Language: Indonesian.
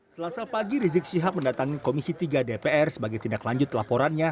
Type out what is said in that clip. selasa pagi rizik syihab mendatangi komisi tiga dpr sebagai tindak lanjut laporannya